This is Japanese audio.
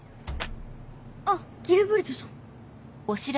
あっギルベルトさん。